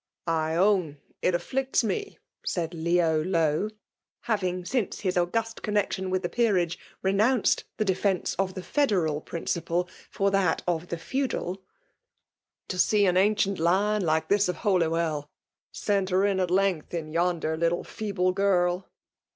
'' I own it afflicts me/* said Leo. Lo. (having, s^oe his august connexion with the peearage^ ijenounced the defence of the federaV prin^ ciple for that of the " feudal*') —to see an ancient line like this of Holywell, centering at length in yonder little feeble gurl.